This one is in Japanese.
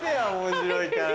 面白いから。